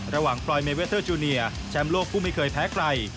ระหว่างปลอยเมเวเตอร์จูเนียแชมป์โลกผู้ไม่เคยแพ้ใคร